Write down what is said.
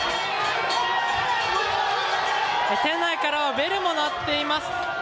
店内からはベルも鳴っています。